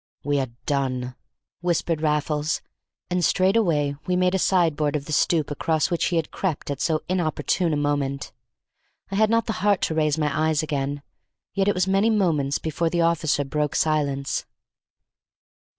"We are done," whispered Raffles, and straightway we made a sideboard of the stoop across which he had crept at so inopportune a moment. I had not the heart to raise my eyes again, yet it was many moments before the officer broke silence.